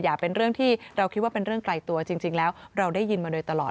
เป็นเรื่องที่เราคิดว่าเป็นเรื่องไกลตัวจริงแล้วเราได้ยินมาโดยตลอด